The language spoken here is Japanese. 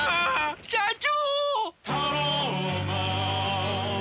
社長！